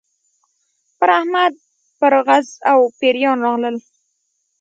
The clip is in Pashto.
پر احمد پرغز او پېریان راغلل.